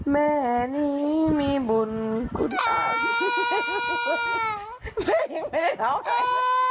แม่นี้มีบุญคุณอาวิทย์